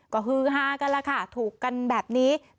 คือ๕กันแหละถูกกันแบบนี้